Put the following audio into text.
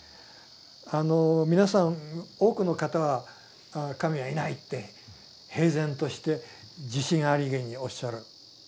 あの皆さん多くの方は神はいないって平然として自信ありげにおっしゃる。